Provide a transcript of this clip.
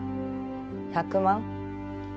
１００万？